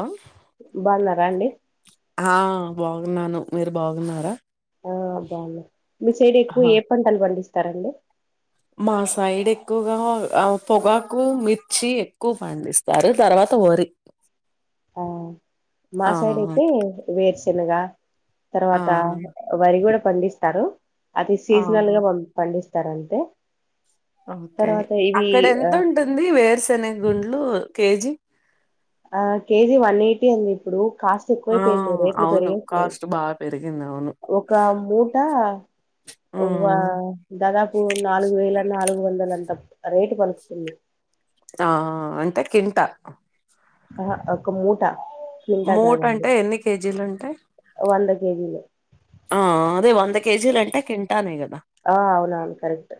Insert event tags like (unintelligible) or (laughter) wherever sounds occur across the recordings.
హ బాగున్నారా అండి ఆ బాగున్నాను మీరు బాగున్నారా ఆ బాగును మీ సైడ్ ఎక్కువ ఆహా ఏ పడాలు పండిస్త తరలే మా సైడ్ ఎక్కువగా ఆ పొగాకు మిర్చి ఎక్కువ పండిస్తారు తర్వాత వరి ఆ మాసైడి అయితి వేర్స్ చిన్నగా ఆ తర్వాత వరి కూడా స్పందిస్తారు అది ఆ సీజనల్ గాం పండిస్తుంది తారంతే ఓకే అక్కడ ఎంత ఉంటుంది వేరుశనిగ గుండ్లు కేజీ ఆ కేజీ వన్ ఎయిటీ అంది ఇప్పుడు కాస్ట్ ఆ ఎక్కువైపోయింది రేట్లు అవును పెరిగేస్తున్నాయి కాస్ట్ బాగా పెరిగింది అవును ఒక మూట ఉమ్ దాదాపు నాలుగు వేల నాలుగు మూడు వందల అంతా రేటు పలుకుతుంది ఆ అంత కింటా ఆ ఒక ఒక మూట క్వింటా మూట కాదండి అంటే ఎన్ని కేజీలుంటా వంద కేజీలు అదే వ కేజీ ంట కెింటానే ఇ ఆ అవునవును కరెక్ట్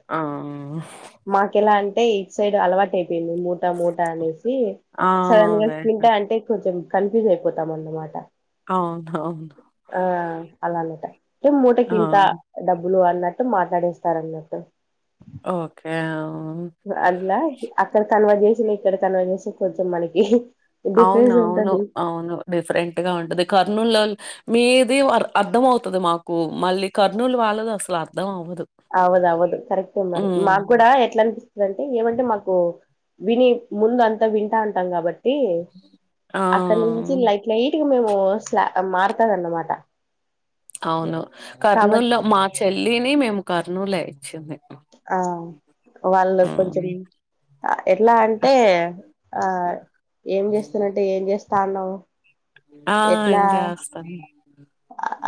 మాకు ఎలా ఈ సైడ్ అలవాటుే ి మూట మూట అనేసి ఆ సడన్ గా అదే తింటా అంటే కొంచెం కన్ఫ్యూజ్ అయిపోతాం అన్నమాట అ ఆ అలా అన్నట మట ఆ చిింత డబ్బు లు అన్నట్టు మాట్లాడేస్తారు అన్నట్టు ఓకే అవును. అల్లా అక్కడ కనుమ చేసిన ఇక్కడ కనుమ చేసి కొంచెం మనకి అవును డిఫరెన్స్ అవును ఉంటది అవును డిఫరెంట్ గా ఉంటది కర్నూలులో మీది అర్థం అవుతుది మాకు మళ్ళీ కర్నూలు వాళ్ళది అసలు అర్ధం అవ్వదు అవుదుఆవదు కరెక్ట్ ఏ మరి మాకు హ్మ్. కూడా ఎట్లా అనిపిస్తుందింటె ఏమంటే మాకు విని ముందు అంతా వింటా అంటాం కాబట్టి ట్టి ఆ! అక్కడ నుంచి లైట్ లైట్ మేము స్లా మారుతాదన్నమాట అవును కర్నూలు లో మా చెల్లిని మేము కర్నూలు ఏ ఇచ్చింది ఆ వాళ్ళు కొంచెం హ్మ్. ఎట్లా అంటే ఆ ఏం చేస్తున్నంటే ఏం చేస్త స్థాండవ్ ఆ ఎంజాస్తాను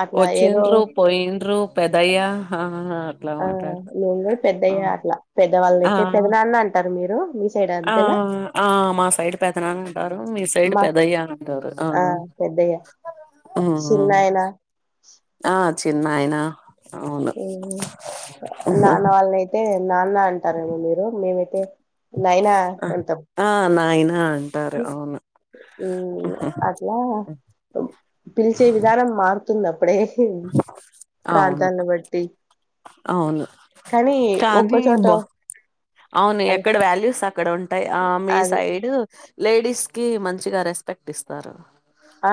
అట్లా ఏదో వచ్చిండ్రు పోయిండ్రు పెద్దాయ్యా ఆ నేను కూడా ఆ! పెద్దయ్యా అట్లా పెద్దవాళ్ళైతే ఆ! పెద్ద నాన్న అంటారు మీరు (unintelligible) ఆ ఆ మా సైడ్ పెదనాన్న అని అంటారు మీ సైడ్ మా పెదయ్య అని అంటారు ఆ చిన్నాయన ఆ చిన్నయన నాన్న వాళ్ళను అయితే నాన్న అంటారేమో మీరు మేమైతే నాయనా అంటాం నాయన ఆ అంటారు అవును ఉ అట్లా పిలిచే విధానం మారుతుంది అప్పు అవును బట్టి అవును కానీ ఒక్కో కానీ చోట బా అవును అది ఎక్కడ వాల్యూస్ అక్కడ ఉంటాయి ఆ మీ అది సైడ్ లేడీస్ కి మంచిగా రెస్పెక్ట్ ఇస్తారు ఆ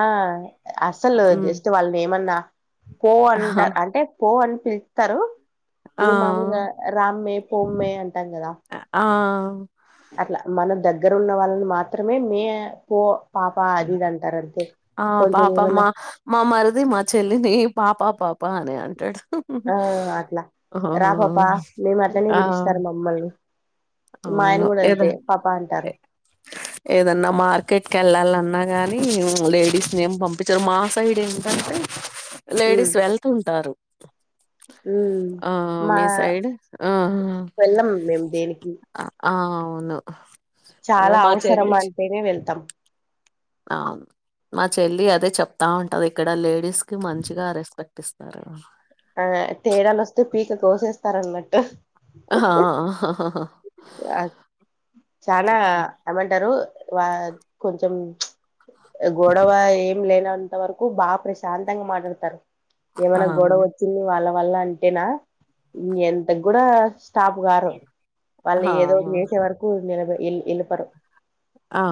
అస్సలు ఉమ్ జస్ట్ వాళ్ళని ఏమన్నా పో అంటా అంటే పో అంట పిలుత్తరు ఆ ఆ ఇప్పుడు మాములుగా రామ్మే పొమ్మే అం అంటం గాదా అ అట్లా మనం దగ్గర దగ్గర ఉన్న వాళ్ళని మాత్రమే మే పో పాప అదిది అంటారు అదే ఆ పాపమ్ మా మా మరిది మా చెల్లిని పాపా పాప పానే అంటాడు ఆ అట్లా ఆ రా పాపా మేము అట్లనే ఆ పిలుస్తారు మమ్మల్ని మా ఆయన అవును కూడా ఏద అంతే పాపా అంటారు ఏదన్నా మార్కెట్కి వెళ్ళాలన్నా అన్నా గాని లేడీస్ ఏం పంపించారు మా సైడ్ ఏంటంటే లేడీస్ వెళ్తుంటారు ఉ ఆ మా మీ సైడ్ ఆ వెళ్ళం మేము దేనికి ఆ అవును అదే చాలా మా అవసరం చెల్లి అంటేనే వెళ్తాం నా చెల్లి అదే చెప్తా ఉంటది ఇక్కడ లేడీస్ కి మంచిగా రెస్పెక్ట్ ఇస్తారు ఆ తేడాలు వస్తే పీక కోసేస్తారన్నట్టు ఆాా చాలా ఏమంటారు వా కొంచెం గొడవ ఏం లేనంత వరకు బాగా ప్రశాంతంగా మాట్లాడతారు ఏమైనా గొడవ వచ్చింది వాళ్ళ వల్ల అంటేనా ఎంత కూడా స్టాబ గారు మళ్ ఏదో చేసే వరకు ఎళపర ఆ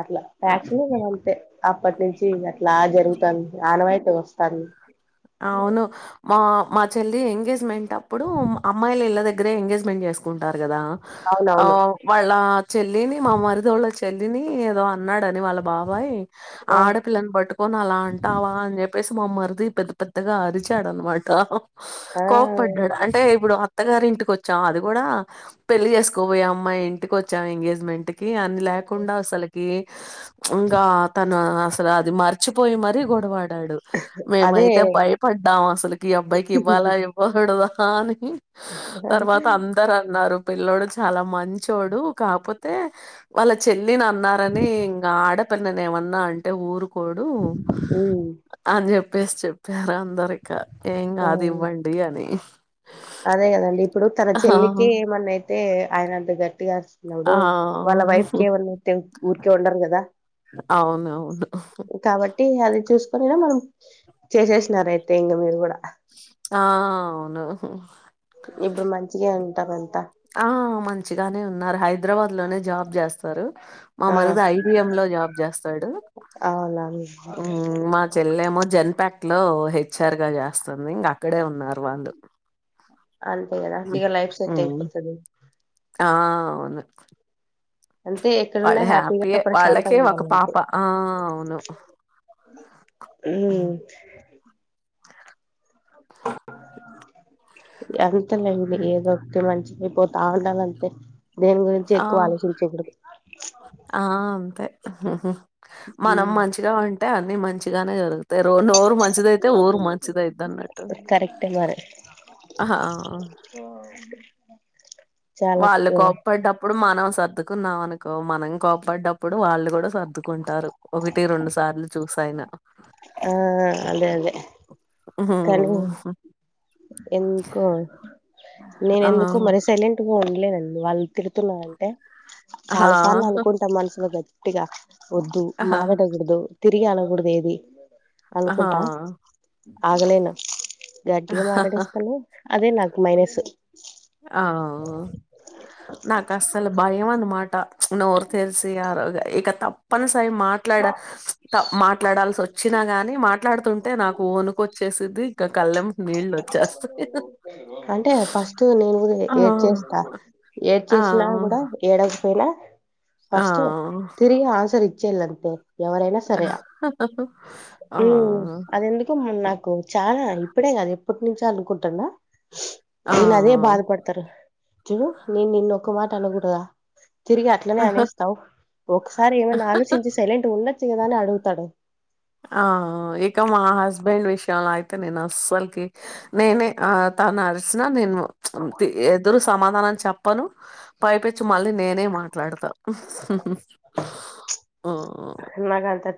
అట్లా ప్యాచనే మ అళ్ంతే అప్పతే నుంచి లా జరుగుతుంది ఆనవాయట స్తారి అవును మా మా చెల్లి ఎంగేజ్మెంట్ అప్పుడు అమ్మాయిలు ఇళ్ళ దగ్గరే ఎంగేజ్మెంట్ చేసుకుంటారు కదా ఆ అవునవును వాళ్ళ చెల్లిని మామారితోళ్ళ చెల్లిని ఏదో అన్నాడని వాళ్ళ బాబాయ్ ఆ ఆడపిల్లని పట్టుకొని అలా అంటావా అని చెప్పేసి మామ్మది ఇ ఇప్పతేగాారి చడను మాటా ఆ కోపపడ్డాడు అంటే ఇప్పుడు అత్తగారి ఇంటికి కొచ్చాం అది గూడా పెళ్లి చేసుకోబోయే అమ్మాయి ఇంటిక వచ్చాం ఎంగేజ్మెంట్ కి అని లేకుండా అసలకి ఇంగా తను అసలు అది మార్ చిపోయి మరీ గొడవాడాడు మేమై అదే తె భయపడ్డాం అసలకి ఈ అబ్బాయికి ఇవ్వాలా ఇవ్వకూడదా కాని తర్వాత అందరు అన్నారు పిల్లోడు చాలా మంచోడు కాపోతే వాళ్ళ చెల్లిని అన్నారని ఇంగా ఆడపిల్లని ఏమన్నా అంటే ఊరు కోడు ఉమ్ అన్ (unintelligible) (unintelligible) అందరికా ఏం గాదు ఆ. ఇవ్వండి అని అదే గదండి ఇప్పుడు తన ఆ! చెల్లికి ఏమన్నా ఐ తే ఆయన అంత గ ట్టిగా ఆ! అరచినవుడు వాళ్ళ వైఫకి ఏమన్నా అయితే ఊరికే ఉండరు గదా అవునవును కాబట్టి అది చూసుకనినా మనం చేసేసినార అయితే ఇంగ మీరు గూడా ఆ అవును ఇప్పుడు మంచిగే ఉంటారం ఆ మంచిగానే ఉన్నారు హైదరాబాద్ లోనే జాబ్ జేస్తారు మా ఆ మరుదు ఐబీఎం లో జాబ్ జేస్తాడు అవునా మా చెల్లెమో జన్పాక్ ట్లో హె చ్చర్గా జేస్తుంది ఇంగా ఇక్కడే ఉన్నారు వాళ్ళు అంతే గదా మిగ లైఫ్ సెట్ హ్మ్. అయిపోతది ఆ అవును అంతే ఎక్కడున్నా వాళ్ళు హ్యాపీగా హ్యాపీయే వాళ్ళకే ప్రశాంతంగా ఒక ఉండాలి అంతే పాప ఆ అవును హ్మ్ (unintelligible) తె మెండ్లి హ్మ్. ఏదొ ఒక మంచి పోతా ఉండల్లంతే దేని గురించి ఆ! ఎక్కువ ఆలోచించకూడదు ఆహా మనం ఉమ్, మంచిగా వంట అంటే అన్నిీ మంచిగానే జరుగుతుంది మంచిదయిద్దన్నట్టు. కరెక్ట్ మర ఆహా! ఆ! (unintelligible) వాళ్ళు కోప్పడటప్పుడు మనం సద్ సర్దుకున్నాం అనుకో మనం కోపాడ్డప్పుడు వాళ్ళు కూడా సర్దుకుంటారు ఒకటి రెండు సార్లు చూసాన ఆ అదే అదే ఆ కానీ ఎందుకో నేన ఎందుకో ఆ! మర సైలెంట్గా ఉండలేన వాళ్ళు తిరుతున్నంటే ఆ! చాలా సార్లు అనుకుంటాం మనుసుులో గట్ టిగా వద్దు ఆహా! మాారాట గడదు తిరిగి అన కూడద ఏది ఆహా! అనుకుంటా ఆగలేను గట్టి గా మా కడస్తాను అదే నాకు మైనస్ ఆ నాకు అసలు భయం అన్నమాట నోరు తెలిసి ఆ ఇక తప్పని సయి మాట్లాడ మాట్లాడాల్సి వచ్చినా గాని మాట్లాడుతుంటే నాకు వనుకొచ్చేసిది అంటే ఫస్ట్ నేను కూడా ఆ! ఏడ్ చేస్తా ఏడ్ ఆ! చేసినా కూడా ఏడకపోయినా ఆ! ఫస్ట్ తిరిగి ఆన్సర్ ఇచ్చే ఇలాంత (inaudible) ఎవరైనా సరే ఆ! అదెందుకు నాకు చాలా ఇప్పుడే కాదదు ఎప్పటి నుంచో అనుకుంటున్నా ఆ! ఇన్ అదే బాధ పడతారు చ నేను నిన్న ఒక్క మాట అనకూడదా తిరిగి అట్లనే ఆ! అనేస్తావు ఒకసారి ఏమన్నా ఆలోచించి సైలెంట్ ఉన్న దానే అడుగుతడు ఆ ఇక మా హస్బెండ్ విషయం అయితే నేను అస్సలుకి నేనే ఆ తను అరిసిన నేను అ ఎదురు సమాధానన్ని చెప్పను పైపచ్చి మళ్ళీ నేనే మాట్లాడతాను ఓ అ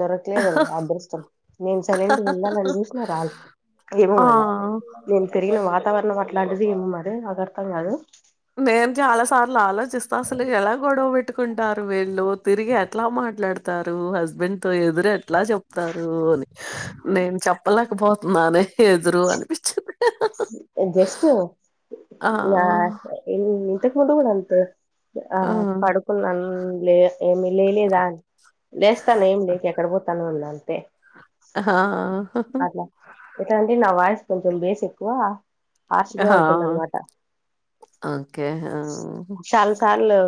దొరకలేదండి అదృష్టం నేను సరెంటి ఉండాలని చూసినా రదు ఏమో ఆ మళీ నేను తరిగిన వాతావరణంట్ ంటిది ఏమ్ మరి అర్తా అదు మేమ్ చాల సార్ ాల చిస్తాసలు ఎ కొడబట్టు పెట్టుకుంటారు వీళ్ళు తిరిగి ఎట్లా మాట్లాడుత చెతారు హస్బెండ్ తో ఎదురు ఎట్లా చెప్తారు అని నేను చెప్పలేకపోతున్నానే హ్రరు అనిపించది గస్ ఆ ఏ ఇంతక్ ముడు కూడాడా అంతే ఆ పడుకులు న పలే ఏమి లేలేదా లేస్తాను ఏమి లేక ఎక్కడ పోతాను ఉన్నాను హా అట్లా ఎట్లా అడి నా వయిస్ కొంచెం బస్ ఎక్కువ ఆశగా ఆ! ఉంటుందనమాట ఓకే. ఆ! చాలాసార్లు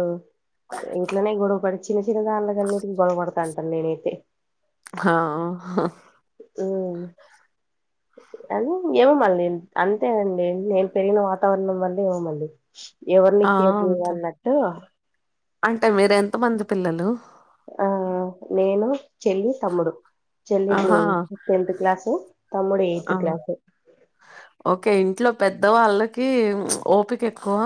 ఇంట్లోనే గొడవ పడి చిన్న చిన్న దాన్లు కన్నిటికి గొడవపడతా అంటను నేనైతే ఆా అది ఏమ మళీ అంతే అండి నేను పెరిగిన వాతావరణం వల్ల ఏమ మళ్ీ ఎవరిని ఆ! కేర్ అంతే. చేయన్నట్టు అంటే మీరు ఎంత మంది పిల్లలు ఆ నేను చెల్లి తమ్ముడు చెల్లి ఇప్పుడు ఆహా! టెన్త్ క్లాసు తమ్ముడు ఆ ఎయిత్ క్లాసు ఓకే ఇంట్లో పెద్ద వాళ్ళకి ఓపిక ఎక్కువ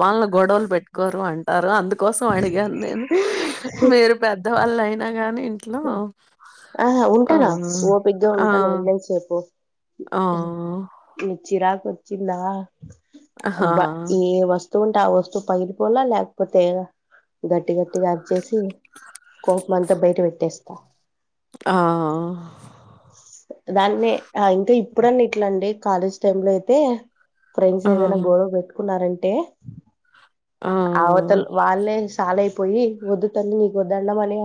బాన్లు గొడవలు పెట్టుకోరు అంటారు అందుకు సవానగా ఉే మరు పద్ద పెద్ద వాళ్ళు అయినా గానీ ఇంట్లో ఆ ఆ! ఉంటార ఓపిగా ఆ! ఉంటాను ఉన్నత సేపు ఆ! ఈ చిరాకు వచ్చిందా ఆహా! బా ఏ వస్తువులు ఆ వస్తువు పగిలిపోలా లేకపోతే గట్టి గట్టిగా అరి చేేసి కోపం అంతా బయట పెట్టేస్తా ఆ దాన్నే ఇంకా ఇప్పుడు అన్నా ఇట్లా అంటే కాలేజ్ టైమ్ లో అయితే ఫ్రెండ్స్ ఆ! ఏదైనా గొడవ పెట్టుకున్నారంటే ంటే ఆ! అవతల వాళ్ళే తాలుయిపోయి వద్దు తల్లి నీకు ఓ దండం అని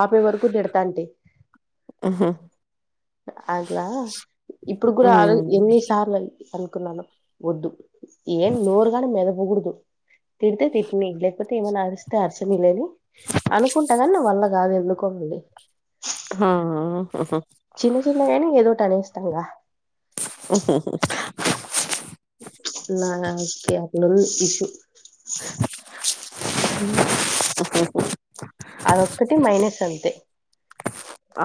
ఆపే వరకు తిడతాంటే హుహు. అట్లా ఇప్పుడు కూడా అ హ్మ్. ఎన్ని సార్లు అనుకున్నాను వద్దు ఏం నూరుగానే మెదప ముగుడుదు తిడితే తిట్ని లేకపోతే ఏమైనా ఆరిస్తే అరస ని లే అని అనుకుంటా గాని నా వాళ్ళ కాదు ఎందుకోండి ఆహ హా చిన్న చిన్నగానీ ఏదోటి అనేస్తంగా ఊహు హు నాకి అట్లుంది పిచ్చి (unintelligible) ఊహు అదొక్కటి మైనస్ అంతే ఆ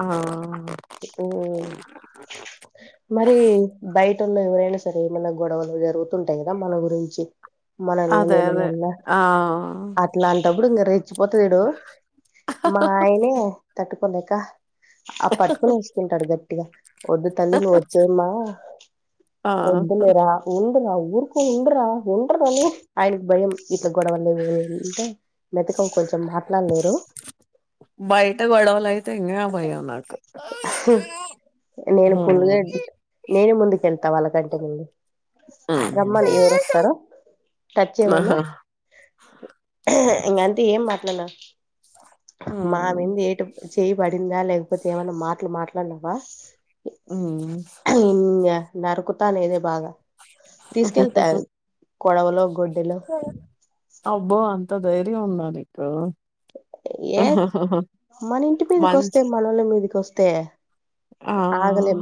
హు మరి బయటలో ఎవరు అయినా సరే ఏమన్నా గొడవలు జరుగుతుంటాయి కదా మన గురించి మనల్ని అదే ఏమన్నా అదే అన్న ఆ గఅట్లా అంటప్పుడు ఇంగా తా చచ్చిపోత చూడు మా ఆయనే తట్టుకు తట్టుకోలేక అప్పట్ ప్పుస్తుకుంటాడు గట్టిగా వద్దు తల్లి నువ్వచ్చేమ్మా ఆ వద్దులే రా ఉండురావు ఊరుకో ఉండ్రా ఉండ్రని ఆయన భయం ఇట్లే గొడవలే ఉంటే మెతకం కొంచెం మాట్లాలేరు బయట గోడవలయితే ఇంగా భయం నాకు నేను ఫుల్గా హ్మ్. నేను ముందుకెల్ తా వాళ్ళ కంటే ముందు హ్మ్. రమ్మను ఎవరు వస్తారో టచ్చైమను ఆహా ఇంకా అంతే ఏం మాట్లాడను హ్మ్. మామింది ఎటు చై బడిందా లేకపోతే ఏమన్నా మాట్లు మాట్లాడినవా అ నరుకుతాను ఇది బాగా ఊహూ హూ తీసుకెళ్తా హూ కొడవలో గుడ్ టేలో అబ్బో అంత ధైర్యం ఉందా నీకు ఏ మన ఇంటి మీదికి వస్తే మంచి మనోళ్ళ మీదికి వొస్ తే ఆ ఆగలేం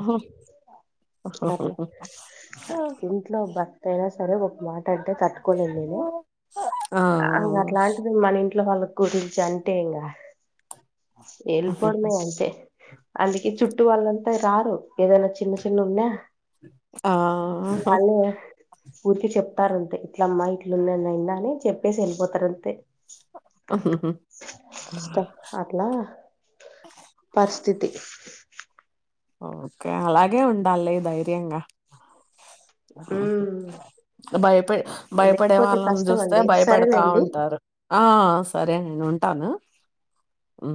అట్లా ఇంట్లో భర్త అయినా సరే ఒక మాటంటే తట్టు కొనిలేను ఆ అ ఇంగ అట్లాంటిది మన ఇంట్లో వాళ్ళకు గూటిలు చంటెంగా ఏళిపోల్లే అంతే అందుకే చుట్టూ వాళ్లంతా రారు ఏదైనా చిన్న చి నిన్నున్నా ఆ ఆహా ఊరికే చెప్తారుంతే ఇట్ల అమ్మాయి ఇట్లుందియిందని చెప్పేసి వెళ్ళిపోతారు అంతే ఇష్టం అట్లా పరిస్థితి ఓకే అలాగే ఉండాలి ధైర్యంగా హ్మ్. భయపె భయపడే లేకపోతే వాళ్ళని కష్టం చూస్తే అండి భయపడతా సరేలేండి ఉంటారు ఆ సరే నేను ఉంటాను. ఉ